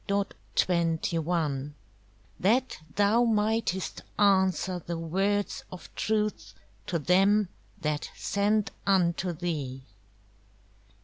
_ That thou mightest Answer the Words of Truth, to them that send unto thee.